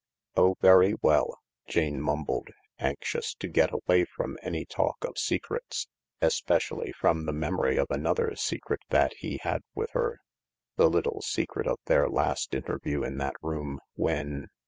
" Oh, very well," Janemumbled, anxious to get away from any talk of secrets, especially from the memory of another secret that he had with her— the little secret of their last interview in that room, when